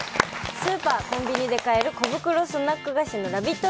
スーパー・コンビニで買える小袋スナック菓子のラヴィット！